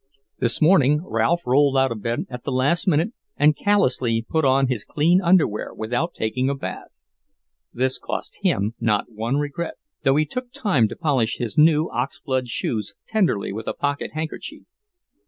This morning Ralph rolled out of bed at the last minute and callously put on his clean underwear without taking a bath. This cost him not one regret, though he took time to polish his new ox blood shoes tenderly with a pocket handkerchief.